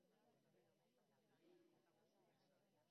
Bilbo, Huesca eta Biarritz artean grabatu zuen.